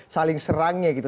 saling serangnya gitu